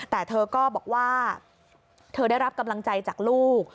แต่เธอก็บอกว่าเธอได้รับกำลังใจจากลูก